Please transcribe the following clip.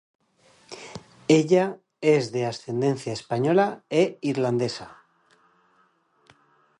Ella es de ascendencia española e irlandesa.